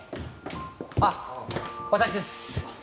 あっ私です。